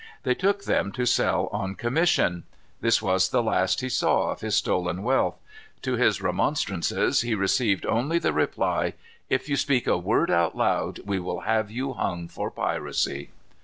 They took them to sell on commission. This was the last he saw of his stolen wealth. To his remonstrances he received only the reply: "If you speak a word out loud, we will have you hung for piracy."